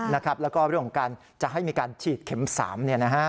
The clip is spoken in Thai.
แล้วก็เรื่องของการจะให้มีการฉีดเข็ม๓